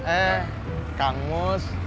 eh kang mus